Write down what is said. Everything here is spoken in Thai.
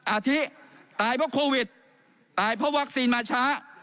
อาทิตายเพราะโควิดตายเพราะวัคซีนมาช้า